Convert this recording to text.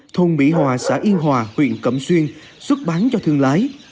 thôn mỹ hòa xã yên hòa huyện cẩm xuyên xuất bán cho thương lái